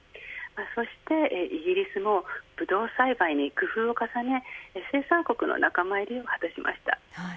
そしてイギリスもブドウ栽培に工夫を重ね生産国の仲間入りを果たしました。